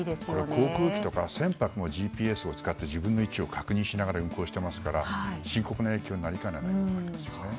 航空機とか船舶もＧＰＳを使って自分の位置を確認しながら運航していますから深刻な影響になりかねないですね。